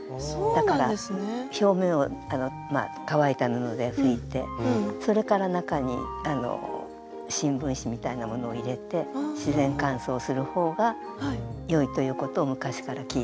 だから表面は乾いた布で拭いてそれから中にあの新聞紙みたいなものを入れて自然乾燥する方がよいということを昔から聞いております。